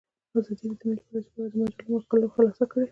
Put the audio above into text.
ازادي راډیو د مالي پالیسي په اړه د مجلو مقالو خلاصه کړې.